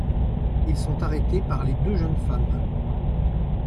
Ils sont arrêtés par les deux jeunes femmes.